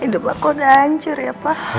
hidup aku udah hancur ya pak